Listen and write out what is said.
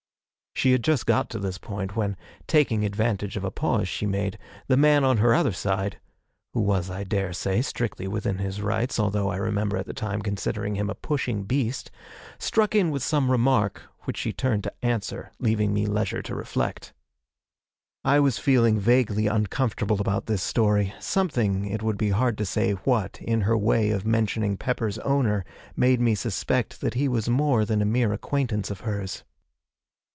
She had just got to this point, when, taking advantage of a pause she made, the man on her other side (who was, I daresay, strictly within his rights, although I remember at the time considering him a pushing beast) struck in with some remark which she turned to answer, leaving me leisure to reflect. I was feeling vaguely uncomfortable about this story; something, it would be hard to say what, in her way of mentioning Pepper's owner made me suspect that he was more than a mere acquaintance of hers.